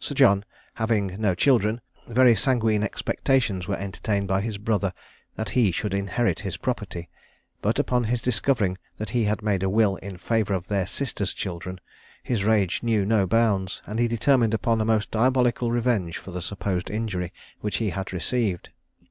Sir John having no children, very sanguine expectations were entertained by his brother that he should inherit his property, but upon his discovering that he had made a will in favour of their sister's children, his rage knew no bounds, and he determined upon a most diabolical revenge for the supposed injury which he had received.